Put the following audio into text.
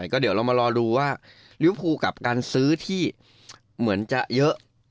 ก็เดี๋ยวเรามารอดูว่าลิวภูกับการซื้อที่เหมือนจะเยอะ